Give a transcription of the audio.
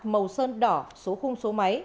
màu sơn đỏ số khung số máy